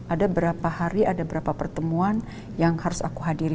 ada berapa hari ada berapa pertemuan yang harus aku hadiri